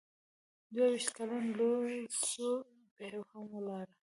دوه ویشت کلن لو ځو پي هم ولاړ و.